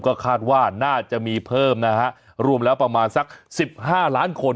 ก็คาดว่าน่าจะมีเพิ่มนะฮะรวมแล้วประมาณสัก๑๕ล้านคน